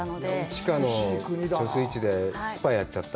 地下の貯水池で、スパやっちゃった？